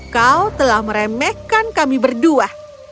kau telah meremehkan kami berdua